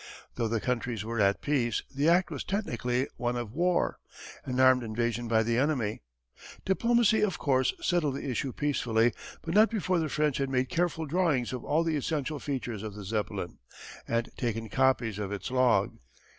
Though the countries were at peace the act was technically one of war an armed invasion by the enemy. Diplomacy of course settled the issue peacefully but not before the French had made careful drawings of all the essential features of the Zeppelin, and taken copies of its log.